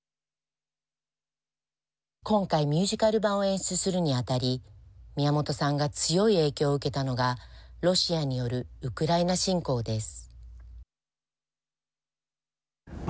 今回、ミュージカル版を演出するに当たり宮本さんが強い影響を受けたのがロシアによるウクライナ侵攻です。